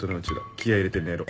気合入れて寝ろ。